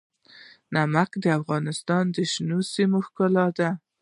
نمک د افغانستان د شنو سیمو ښکلا ده.